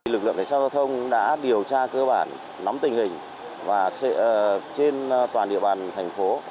lực lượng cảnh sát giao thông đã điều tra cơ bản nắm tình hình và trên toàn địa bàn thành phố